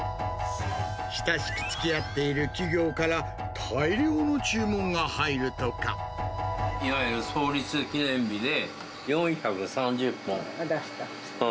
親しくつきあっている企業かいわゆる創立記念日で、出した。